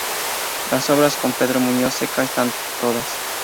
Las obras con Pedro Muñoz Seca están todas.